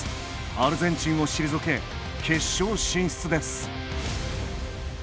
アルゼンチンを退け決勝進出です。